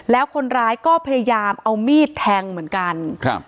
แล้วคนร้ายก็พยายามเอามีดแทงเหมือนกันครับ